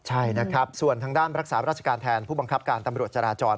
ใช่นะครับส่วนทางด้านรักษาราชการแทนผู้บังคับการตำรวจจราจร